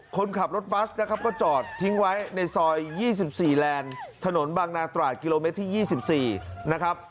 คนขับรถบัสนะครับก็จอดทิ้งไว้ในซอย๒๔แลนด์ถนนบางนาตราดกิโลเมตรที่๒๔นะครับ